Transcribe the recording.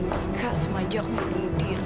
minta semuanya aku ngeluh diri